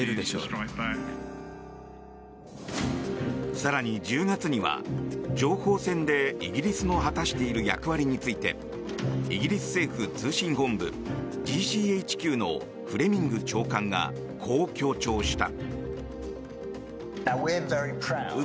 更に１０月には、情報戦でイギリスの果たしている役割についてイギリス政府通信本部・ＧＣＨＱのフレミング長官がこう強調した。